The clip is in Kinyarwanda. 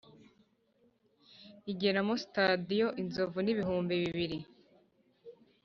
ageramo sitadiyo inzovu n’ibihumbi bibiri,